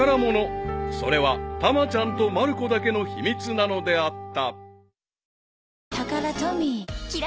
［それはたまちゃんとまる子だけの秘密なのであった］